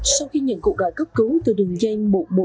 sau khi nhận cụ gọi cấp cứu từ đường dây một trăm một mươi năm